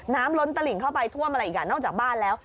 ล้นตลิ่งเข้าไปท่วมอะไรอีกอ่ะนอกจากบ้านแล้ว